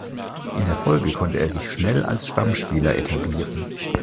In der Folge konnte er sich schnell als Stammspieler etablieren.